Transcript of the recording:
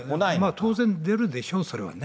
当然、出るでしょう、それはね。